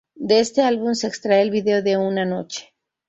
De este álbum, se extrae el video de "Una noche".